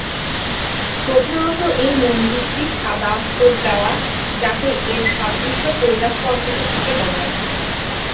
প্রধানত এই মন্দিরটি সাদা আস্তর-দেওয়া যাতে এর সাদৃশ্য কৈলাশ পর্বতের সাথে বজায় থাকে।